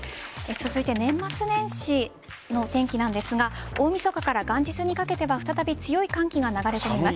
年末年始の天気なんですが大晦日から元日にかけては再び強い寒気が流れ込みます。